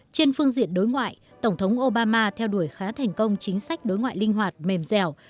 trên phương diện đối ngoại tổng thống obama theo đuổi khá thành công chính sách đối ngoại linh hoạt mềm dẻo